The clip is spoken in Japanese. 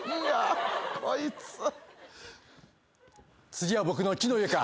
次は僕の木の家か。